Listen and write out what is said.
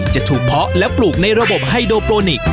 จะถูกเพาะและปลูกในระบบไฮโดโปรนิกส